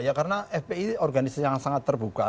ya karena fpi organisasi yang sangat terbuka